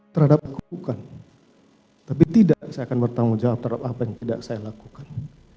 terhadap kebukan tapi tidak akan bertanggung jawab terhadap apa yang tidak saya lakukan